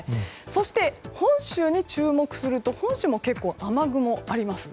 そして、本州に注目すると本州も雨雲があります。